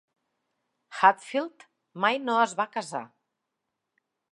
Hatfield mai no es va casar.